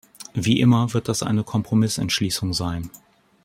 Wie immer wird das eine Kompromissentschließung sein.